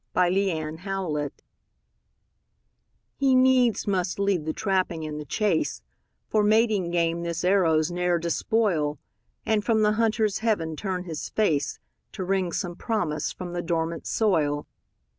THE INDIAN CORN PLANTER He needs must leave the trapping and the chase, For mating game his arrows ne'er despoil, And from the hunter's heaven turn his face, To wring some promise from the dormant soil.